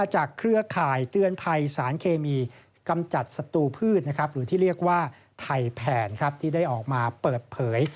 หรือที่เรียกว่าไถแผนที่ได้ออกมาเปิดเผย